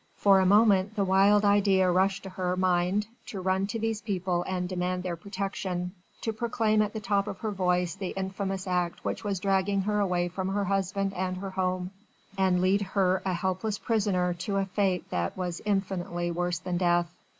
For a moment the wild idea rushed to her mind to run to these people and demand their protection, to proclaim at the top of her voice the infamous act which was dragging her away from her husband and her home, and lead her a helpless prisoner to a fate that was infinitely worse than death.